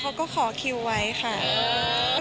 เขาก็ขอคิวไว้ค่ะ